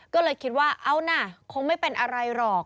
ก็เลยคิดว่าเอานะคงไม่เป็นอะไรหรอก